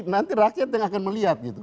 nanti rakyat yang akan melihat gitu